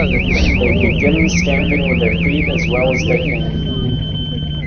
They begin stamping with their feet as well as they can.